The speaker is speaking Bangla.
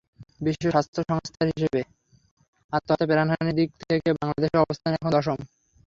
বিশ্ব স্বাস্থ্য সংস্থার হিসেবে আত্মহত্যায় প্রাণহানির দিক থেকে বাংলাদেশের অবস্থান এখন দশম।